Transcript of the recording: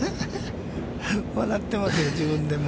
笑ってますよ、自分でも。